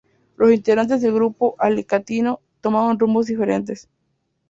Los integrantes del grupo alicantino tomaron rumbos diferentes.